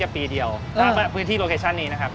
ถ้าเปิดชั่วโรกเทชั่นนี้ฟื้นที่เนี่ยครับ